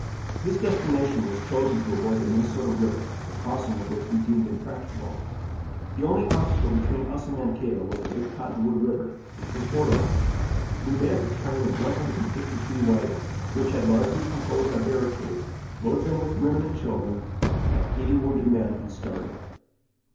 This destination was chosen to avoid the Minnesota river, the crossing of which we deemed impracticable. The only obstacle between us and Mankato was the Big Cottonwood river, which was fordable. We made up a train of 153 wagons, which had largely composed our barricades, loaded them with women and children, and about eighty wounded men, and started.